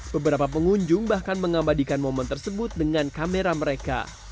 beberapa pengunjung bahkan mengabadikan momen tersebut dengan kamera mereka